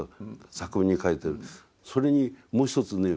それにもう一つね